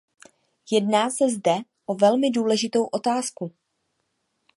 Jedná se zde o velmi důležitou otázku.